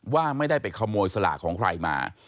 ว่าไม่ได้ไปขโมยสลากของใครมา